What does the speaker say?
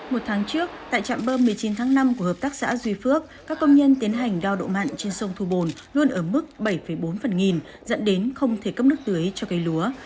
một tháng trước tại trạm bơm một mươi chín tháng năm của hợp tác xã duy phước các công nhân tiến hành đao độ mặn trên sông thu bồn luôn ở mức bảy bốn phần nghìn dẫn đến không thể cấp nước tưới cho cây lúa